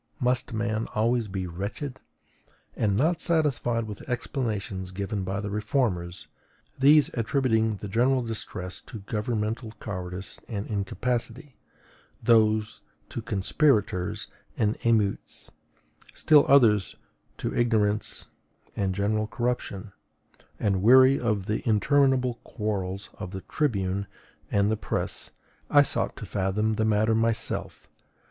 Must man always be wretched? And not satisfied with the explanations given by the reformers, these attributing the general distress to governmental cowardice and incapacity, those to conspirators and emeutes, still others to ignorance and general corruption, and weary of the interminable quarrels of the tribune and the press, I sought to fathom the matter myself.